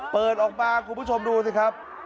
เปิดออกมาคุณผู้ชมดูสิครับ